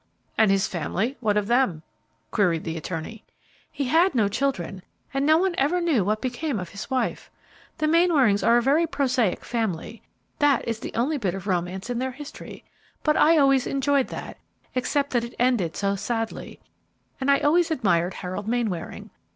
"And his family, what of them?" queried the attorney. "He had no children, and no one ever knew what became of his wife. The Mainwarings are a very prosaic family; that is the only bit of romance in their history; but I always enjoyed that, except that it ended so sadly, and I always admired Harold Mainwaring.